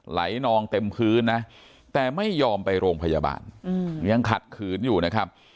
นองเต็มพื้นนะแต่ไม่ยอมไปโรงพยาบาลยังขัดขืนอยู่นะครับ